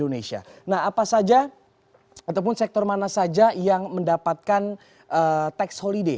nah apa saja ataupun sektor mana saja yang mendapatkan tax holiday